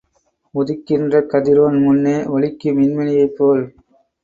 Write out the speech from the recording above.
உதிக்கின்ற கதிரோன் முன்னே ஒளிக்குய் மின்மினியைப் போல்.